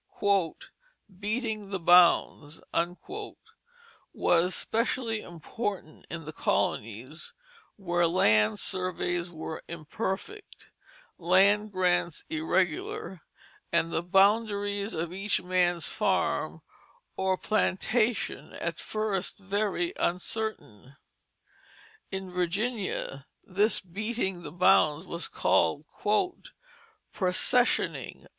[Illustration: Anne Lennod's Sampler] "Beating the bounds" was a specially important duty in the colonies where land surveys were imperfect, land grants irregular, and the boundaries of each man's farm or plantation at first very uncertain. In Virginia this beating the bounds was called "processioning."